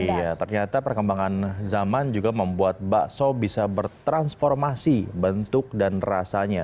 iya ternyata perkembangan zaman juga membuat bakso bisa bertransformasi bentuk dan rasanya